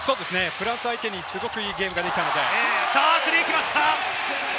フランスを相手にいいゲームができたので。